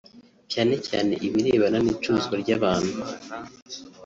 cyane cyane ibirebana n’icuruzwa ry’abantu